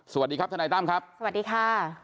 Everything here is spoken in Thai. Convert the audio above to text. สวัสดีครับทนายตั้มครับสวัสดีค่ะ